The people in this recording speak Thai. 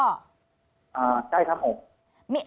ใกล้ครับผม